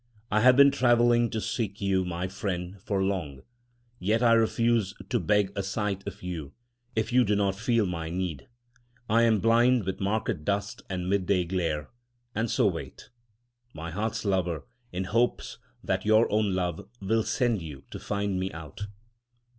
I have been travelling to seek you, my friend, for long; Yet I refuse to beg a sight of you, if you do not feel my need. I am blind with market dust and midday glare, and so wait, my heart's lover, in hopes that your own love will send you to find me out.